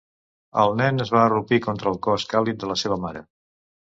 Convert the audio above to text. El nen es va arrupir contra el cos càlid de la seva mare.